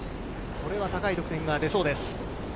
これは高い得点が出そうです。